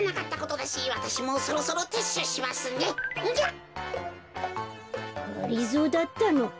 がりぞーだったのか。